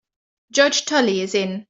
Judge Tully is in.